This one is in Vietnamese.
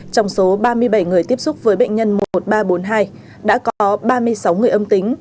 trong số ba mươi bảy người tiếp xúc với bệnh nhân một nghìn ba trăm bốn mươi hai đã có ba mươi sáu người âm tính